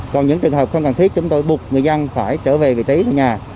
còn những trường hợp không cần thiết chúng tôi buộc người dân phải trở về vị trí ở nhà